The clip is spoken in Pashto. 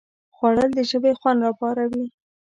خوړل د ژبې خوند راپاروي